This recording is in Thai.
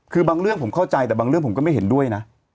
คือบางเรื่องผมเข้าใจแต่บางเรื่องผมก็ไม่เห็นด้วยนะ